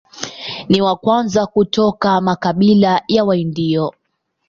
Ni wa kwanza kutoka makabila ya Waindio.